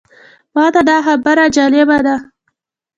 ماته دا خبره جالبه ده.